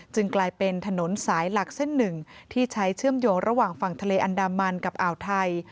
กลายเป็นถนนสายหลักเส้นหนึ่งที่ใช้เชื่อมโยงระหว่างฝั่งทะเลอันดามันกับอ่าวไทย